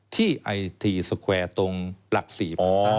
ที่ไอทีสเวอร์ตรงหลัก๔ภาษา